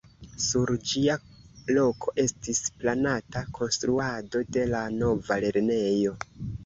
Sur ĝia loko estis planata konstruado de la nova lernejo.